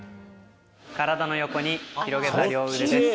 体の横に広げた両腕です。